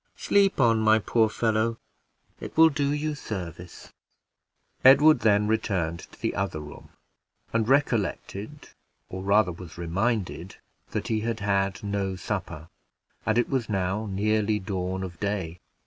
Sleep on, my poor fellow! it will do you service." Edward then returned to the other room, and recollected, or, rather, was reminded, that he had had no supper, and it was now nearly dawn of day.